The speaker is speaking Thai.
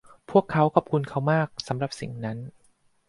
พวกเขาขอบคุณเขามากสำหรับสิ่งนั้น